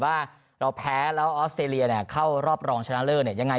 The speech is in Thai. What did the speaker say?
ว่าเราแพ้แล้วออสเตรเลียเข้ารอบรองชนะเลิศยังไง